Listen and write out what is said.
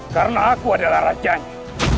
karena aku adalah rajanya